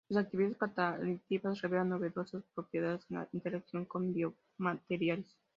Sus actividades catalíticas revelan novedosas propiedades en la interacción con biomateriales.